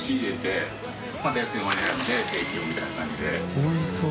おいしそう。